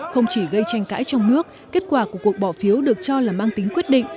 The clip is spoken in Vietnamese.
không chỉ gây tranh cãi trong nước kết quả của cuộc bỏ phiếu được cho là mang tính quyết định